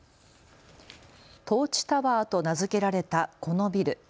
トーチタワーと名付けられたこのビル。